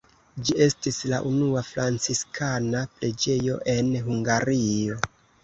Ĝi estis la unua franciskana preĝejo en Hungario.